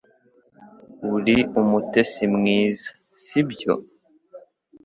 Uri umutetsi mwiza, sibyo?